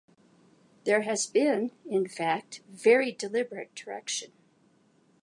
There has been, in fact, very deliberate direction.